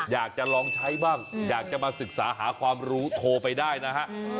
อยากจะลองใช้บ้างอยากจะมาศึกษาหาความรู้โทรไปได้นะฮะ